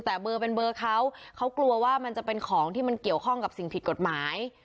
แต่เบอร์เป็นเบอร์เขาเขากลัวว่ามันจะเป็นของที่มันเกี่ยวข้องกับสิ่งผิดกฎหมาย